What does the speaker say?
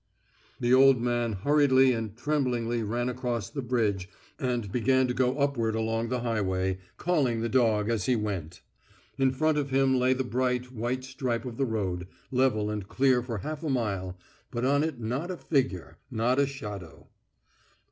The old man hurriedly and tremblingly ran across the bridge and began to go upward along the highway, calling the dog as he went. In front of him lay the bright, white stripe of the road, level and clear for half a mile, but on it not a figure, not a shadow.